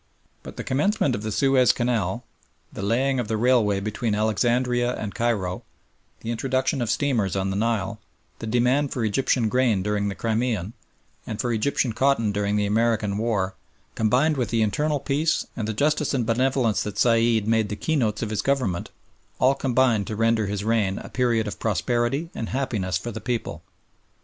But the commencement of the Suez Canal, the laying of the railway between Alexandria and Cairo, the introduction of steamers on the Nile, the demand for Egyptian grain during the Crimean, and for Egyptian cotton during the American War, combined with the internal peace and the justice and benevolence that Said made the keynotes of his government, all combined to render his reign a period of prosperity and happiness for the people.